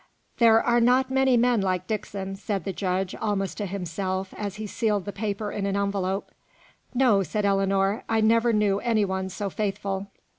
"There are not many men like Dixon," said the judge, almost to himself, as he sealed the paper in an envelope. "No," said Ellinor; "I never knew any one so faithful."